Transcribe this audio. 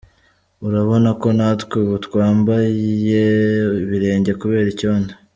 Urabona ko natwe ubu twambaye ibirenge kubera icyondo.